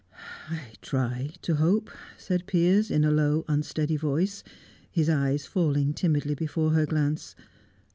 "I try to hope," said Piers, in a low, unsteady voice, his eyes falling timidly before her glance.